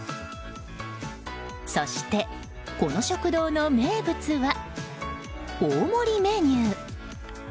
そして、この食堂の名物は大盛りメニュー。